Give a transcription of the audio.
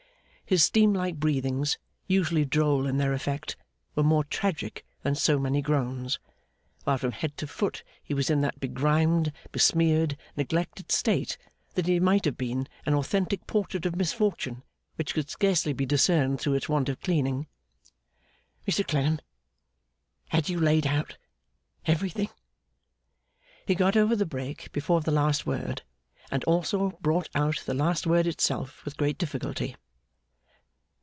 His steam like breathings, usually droll in their effect, were more tragic than so many groans: while from head to foot, he was in that begrimed, besmeared, neglected state, that he might have been an authentic portrait of Misfortune which could scarcely be discerned through its want of cleaning. 'Mr Clennam, had you laid out everything?' He got over the break before the last word, and also brought out the last word itself with great difficulty.